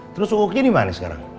terus uuk gini mana sekarang